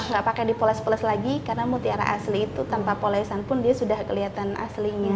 jadi gak pakai dipoles poles lagi karena mutiara asli itu tanpa polesan pun dia sudah kelihatan aslinya